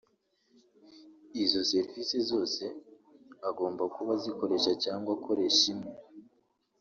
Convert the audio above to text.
izo serivise zose agomba kuba azikoresha cyangwa akoresha imwe